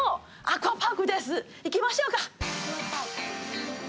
行きましょうか！